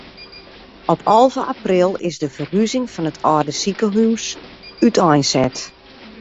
Op alve april is de ferhuzing fan it âlde sikehûs úteinset.